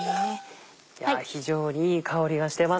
非常にいい香りがしてます。